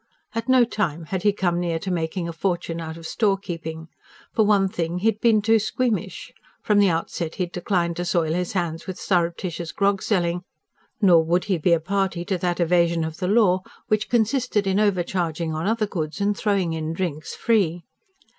At no time had he come near making a fortune out of storekeeping. For one thing, he had been too squeamish. From the outset he had declined to soil his hands with surreptitious grog selling; nor would he be a party to that evasion of the law which consisted in overcharging on other goods, and throwing in drinks free.